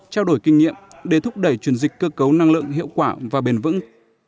trao đổi kinh nghiệm để thúc đẩy chuyển dịch cơ cấu năng lượng hiệu quả và bền vững